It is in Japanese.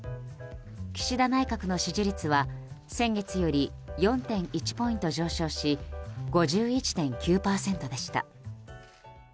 岸田内閣の支持率は先月より４．１ポイント上昇し５１．９％でした。